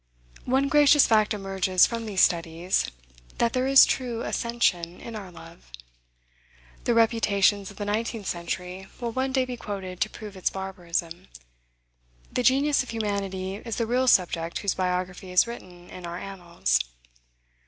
One gracious fact emerges from these studies, that there is true ascension in our love. The reputations of the nineteenth century will one day be quoted to prove its barbarism. The genius of humanity is the real subject whose biography is written in our annals.